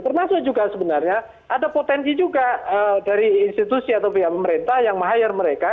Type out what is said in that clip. termasuk juga sebenarnya ada potensi juga dari institusi atau pihak pemerintah yang meng hire mereka